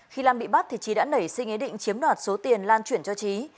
khi lan bị bắt trí đã nảy sinh ý định chiếm đoạt số tiền lan chuyển cho trí